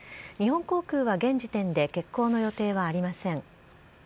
日本航空は現時点で欠航の予定はありません。